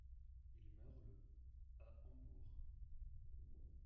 Il meurt le à Hambourg.